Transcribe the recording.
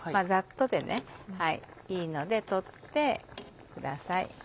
ざっとでいいので取ってください。